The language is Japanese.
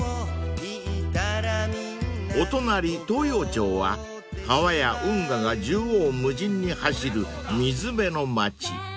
［お隣東陽町は川や運河が縦横無尽に走る水辺の街］